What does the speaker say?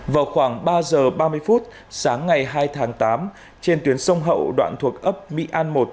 vào khoảng ba giờ ba mươi phút sáng ngày hai tháng tám trên tuyến sông hậu đoạn thuộc ấp mỹ an một